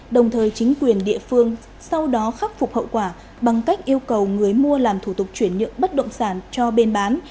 đồng thời chính quyền địa phương sau đó khắc phục hậu quả bằng cách yêu cầu người mua làm thủ tục chuyển nhượng bất động sản cho bên bán